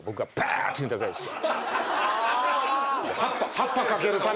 ハッパ掛けるために。